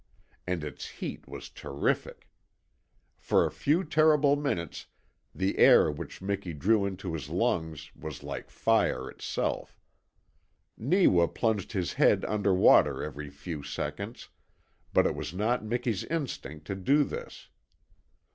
And its heat was terrific. For a few terrible minutes the air which Miki drew into his lungs was like fire itself. Neewa plunged his head under water every few seconds, but it was not Miki's instinct to do this.